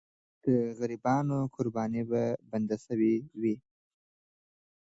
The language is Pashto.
د غریبانو قرباني به بنده سوې وي.